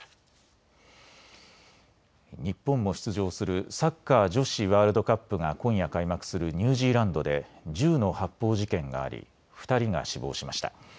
日本も出場するサッカー女子ワールドカップが今夜開幕するニュージーランドで銃の発砲事件があり２人が死亡しました。